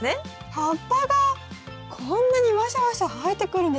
葉っぱがこんなにわしゃわしゃ生えてくるんですね。